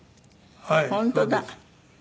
本当だ。